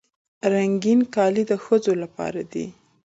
رنګین کالي د ښځو لپاره دي.